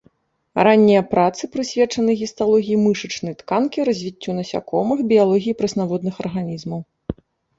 Раннія працы прысвечаны гісталогіі мышачнай тканкі, развіццю насякомых, біялогіі прэснаводных арганізмаў.